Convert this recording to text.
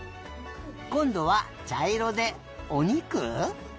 こんどはちゃいろでおにく？